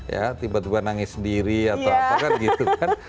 ya tiba tiba nangis sendiri atau apakan gitu kan